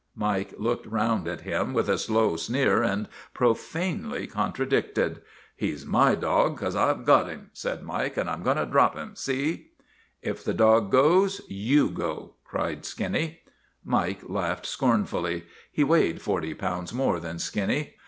Mike looked around at him with a slow sneer and profanely contradicted. " He 's my dog 'cause SPIDER OF THE NEWSIES 163 I 've got him," said Mike, " and I 'm goin' to drop him see ?'" If the dog goes, you go! " cried Skinny. Mike laughed scornfully. He weighed forty pounds more than Skinny.